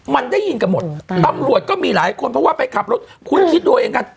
มันได้ยินกันหมดตำรวจก็มีหลายคนเพราะว่าไปขับรถคุณคิดดูเอาเองกัน